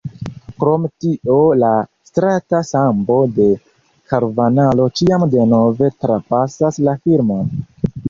Krom tio la strata sambo de karnavalo ĉiam denove trapasas la filmon.